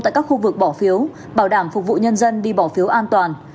tại các khu vực bỏ phiếu bảo đảm phục vụ nhân dân đi bỏ phiếu an toàn